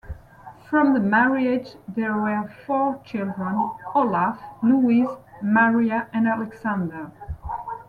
From the marriage there were four children, Olaf, Luise, Maria and Alexander.